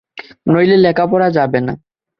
নইলে লেখা পড়া যাবে না।